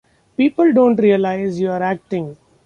People don't realize you're acting.